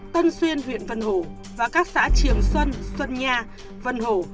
tân xuyên huyện vân hổ và các xã triềng xuân xuân nha vân hổ